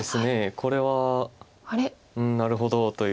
これはなるほどという。